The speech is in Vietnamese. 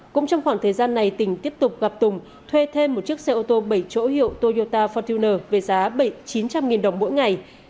cũng trong khoảng thời gian này tỉnh tiếp tục gặp tùng thuê thêm một chiếc xe ô tô bảy chỗ hiệu toyota fortuner với giá chín trăm linh đồng mỗi ngày